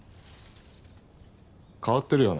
変わってるよな。